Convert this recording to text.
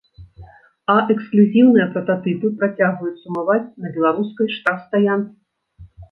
А эксклюзіўныя прататыпы працягваюць сумаваць на беларускай штрафстаянцы.